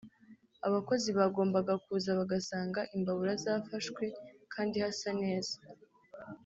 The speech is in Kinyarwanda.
abakozi bagombaga kuza bagasanga imbabura zafashwe kandi hasa neza